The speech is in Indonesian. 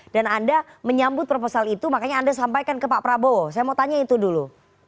dan anda menyambut proposal itu makanya anda sampaikan ke pak prabowo saya mau tanya itu dulu